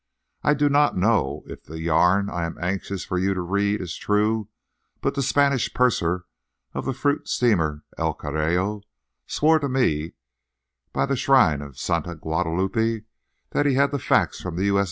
I do not know if the yarn I am anxious for you to read is true; but the Spanish purser of the fruit steamer El Carrero swore to me by the shrine of Santa Guadalupe that he had the facts from the U. S.